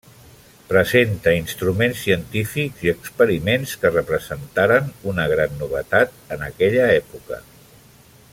Presenta instruments científics i experiments que representaren una gran novetat en aquella època.